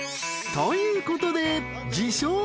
［ということで自称